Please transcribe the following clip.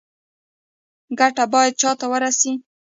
ګټه باید چا ته ورسي؟